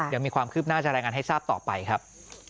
เดี๋ยวมีความคืบหน้าจะรายงานให้ทราบต่อไปครับ